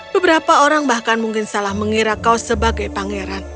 beberapa orang bahkan mungkin salah mengira kau sebagai pangeran